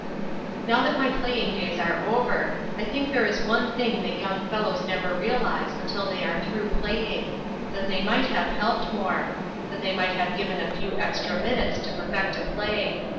"Now that my playing days are over, I think there is one thing that young fellows never realize until they are through playing; that they might have helped more; that they might have given a few extra minutes to perfect a play.